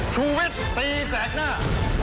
ชูเวชตีแสดหน้า